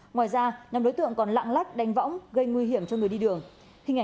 ngoài ra nhóm đối tượng còn lạng lách đánh võng gây nguy hiểm cho người đi đường